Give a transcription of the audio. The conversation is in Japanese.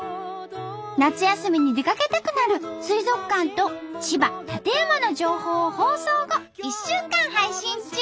夏休みに出かけたくなる水族館と千葉館山の情報を放送後１週間配信中！